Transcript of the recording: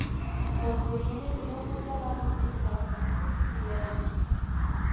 Construyen el nido junto al agua entre la vegetación ribereña.